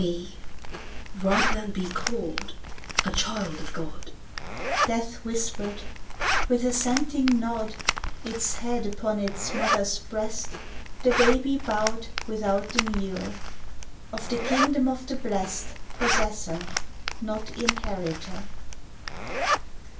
"Be, rather than be called, a child of God," Death whispered! with assenting nod, Its head upon its mother's breast, The baby bowed, without demur Of the kingdom of the Blest Possessor, not inheritor.